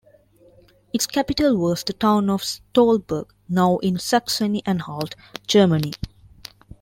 Its capital was the town of Stolberg, now in Saxony-Anhalt, Germany.